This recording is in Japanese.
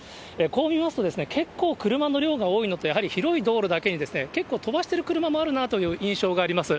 こう見ますと、結構車の量が多いのと、やはり広い道路だけに、結構飛ばしている車もあるなという印象があります。